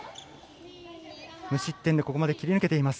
無失点でここまで切り抜けていす。